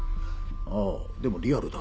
あぁでもリアルだ。